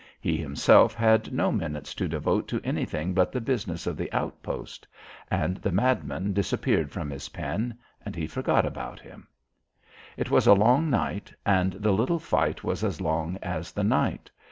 He himself had no minutes to devote to anything but the business of the outpost. And the madman disappeared from his pen and he forgot about him. It was a long night and the little fight was as long as the night.